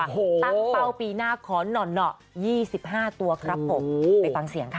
ตั้งเป้าปีหน้าขอหน่อ๒๕ตัวครับผมไปฟังเสียงค่ะ